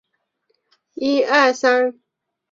劲直刺桐为豆科刺桐属下的一个种。